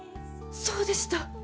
そうでした！